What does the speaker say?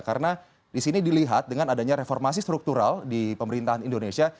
karena di sini dilihat dengan adanya reformasi struktural di pemerintahan indonesia